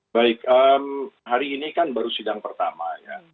baik hari ini kan baru sidang pertama ya